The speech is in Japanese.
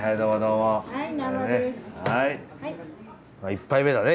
１杯目だね